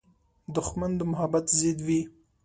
دښمن د محبت ضد وي